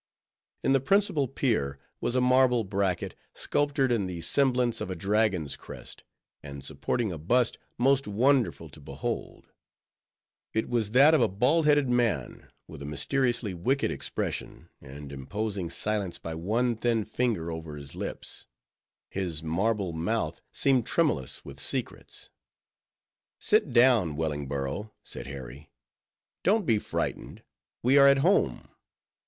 In the principal pier was a marble bracket, sculptured in the semblance of a dragon's crest, and supporting a bust, most wonderful to behold. It was that of a bald headed old man, with a mysteriously wicked expression, and imposing silence by one thin finger over his lips. His marble mouth seemed tremulous with secrets. "Sit down, Wellingborough," said Harry; "don't be frightened, we are at home.